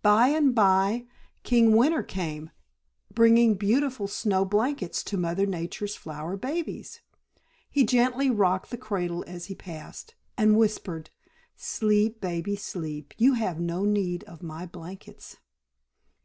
By and by King Winter came, bringing beautiful snow blankets to Mother Nature's flower babies. He gently rocked the cradle as he passed, and whispered, "Sleep, baby, sleep! You have no need of my blankets."